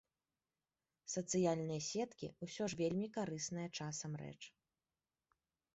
Сацыяльныя сеткі ўсё ж вельмі карысная часам рэч.